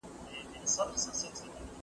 زه کتابتون ته تللی دی؟